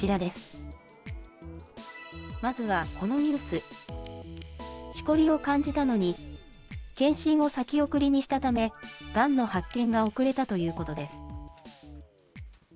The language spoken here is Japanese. しこりを感じたのに、検診を先送りにしたため、がんの発見が遅れたということです。